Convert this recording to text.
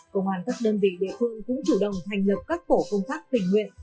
công an các đơn vị địa phương cũng chủ động thành lập các tổ công tác tình nguyện